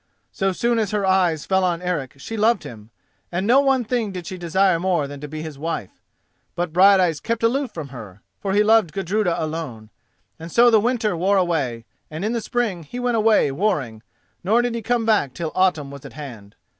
So soon as her eyes fell on Eric she loved him, and no one thing did she desire more than to be his wife. But Brighteyes kept aloof from her, for he loved Gudruda alone; and so the winter wore away, and in the spring he went away warring, nor did he come back till autumn was at hand.